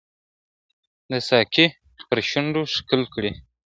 د ساقي پر شونډو ښکل کړې